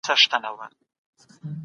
نننی ځوان بايد د حالاتو متن ته ورشي.